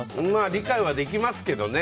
理解はできますけどね